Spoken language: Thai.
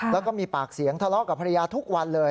แล้วก็มีปากเสียงทะเลาะกับภรรยาทุกวันเลย